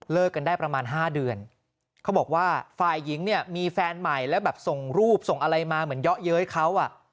กันได้ประมาณ๕เดือนเขาบอกว่าฝ่ายหญิงเนี่ยมีแฟนใหม่แล้วแบบส่งรูปส่งอะไรมาเหมือนเยาะเย้ยเขาอ่ะ